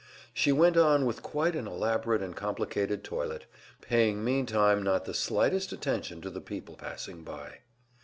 She went on with quite an elaborate and complicated toilet, paying meantime not the slightest attention to the people passing by.